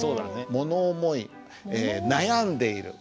もの思い悩んでいる。